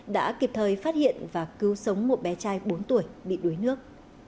đã kịp thời phát hiện và cứu sống một bé trai bốn tuổi bị đuối nước